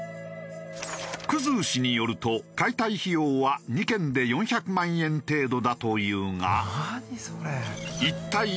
生氏によると解体費用は２軒で４００万円程度だというが。